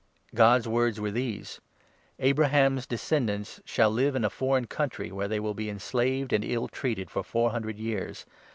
God's words were 6 these —' Abraham's descendants shall live in a foreign country, where they will be enslaved and ill treated for four hundred years.